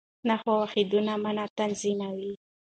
نحوي واحدونه مانا تنظیموي.